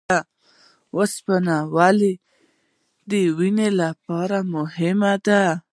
اوسپنه ولې د وینې لپاره مهمه ده؟